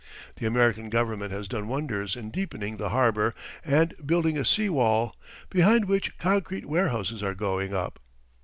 The American government has done wonders in deepening the harbour and building a sea wall, behind which concrete warehouses are going up.